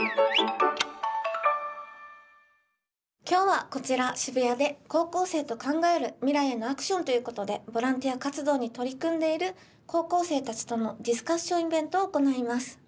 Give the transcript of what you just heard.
今日はこちら渋谷で高校生と考える未来へのアクションということでボランティア活動に取り組んでいる高校生たちとのディスカッションイベントを行います。